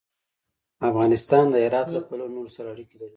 افغانستان د هرات له پلوه له نورو سره اړیکې لري.